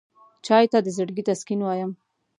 چای ته د زړګي تسکین وایم.